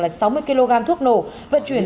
là sáu mươi kg thuốc nổ vận chuyển